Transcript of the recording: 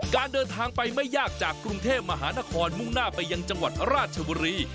การเดินทางไปไม่ยากจากกรุงเทพมหานครมุ่งหน้าไปยังจังหวัดราชบุรี